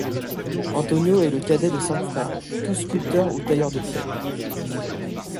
Antonio est le cadet de cinq frères, tous sculpteurs ou tailleurs de pierre.